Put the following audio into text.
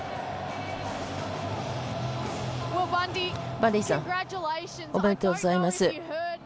バンディーさんおめでとうございます。